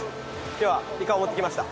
今日はイカを持ってきました。